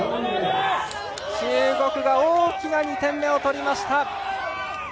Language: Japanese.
中国が大きな２点目を取りました。